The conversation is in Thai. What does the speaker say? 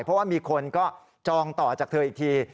เพราะว่ามีคนก็จองต่อจากเธออีกที